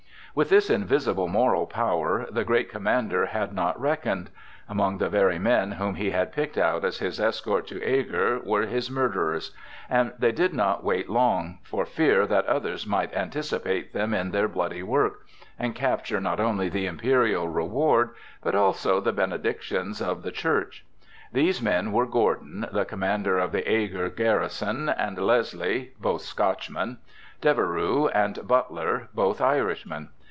With this invisible moral power the great commander had not reckoned. Among the very men whom he had picked out as his escort to Eger were his murderers. And they did not wait long, for fear that others might anticipate them in their bloody work, and capture not only the imperial reward, but also the benedictions of the Church. These men were Gordon, the commander of the Eger garrison, and Leslie (both Scotchmen), Deveroux and Butler (both Irishmen).